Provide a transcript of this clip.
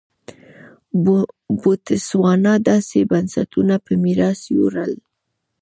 بوتسوانا داسې بنسټونه په میراث یووړل.